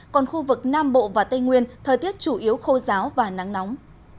còn khu vực nam bộ và tây nguyên thời tiết chủ yếu khô giáo và nắng nóng